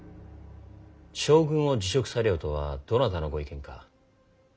将軍を辞職されよとはどなたのご意見か？